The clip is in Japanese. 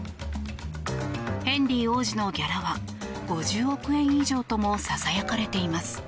ヘンリー王子のギャラは５０億円以上ともささやかれています。